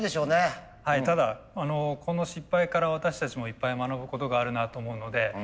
はいただこの失敗から私たちもいっぱい学ぶことがあるなと思うので。